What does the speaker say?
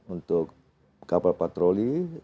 untuk kapal patroli